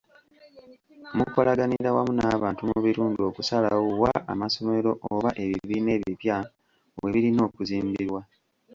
Mukolaganira wamu n'abantu mu bitundu okusalawo wa amasomero oba ebibiina ebipya we birina okuzimbibwa.